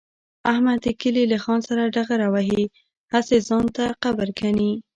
احمد د کلي له خان سره ډغره وهي، هسې ځان ته قبر کني.